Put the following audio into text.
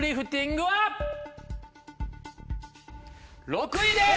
６位です！